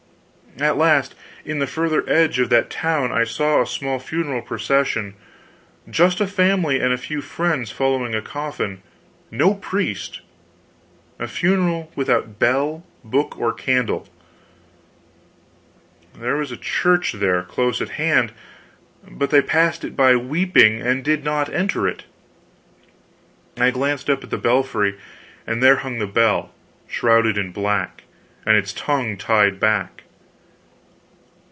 At last, in the further edge of that town I saw a small funeral procession just a family and a few friends following a coffin no priest; a funeral without bell, book, or candle; there was a church there close at hand, but they passed it by weeping, and did not enter it; I glanced up at the belfry, and there hung the bell, shrouded in black, and its tongue tied back.